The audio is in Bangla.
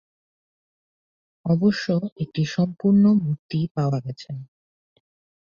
অবশ্য একটি অসম্পূর্ণ মূর্তি পাওয়া গেছে।